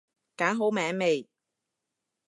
揀好名未？